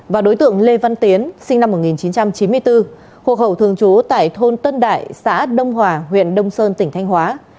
và đối tượng lê văn tiến sinh năm một nghìn chín trăm chín mươi bốn hộ khẩu thường trú tại thôn tân đại xã đông hòa huyện đông sơn tỉnh thanh hóa